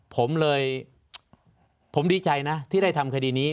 ผมเลยผมดีใจนะที่ได้ทำคดีนี้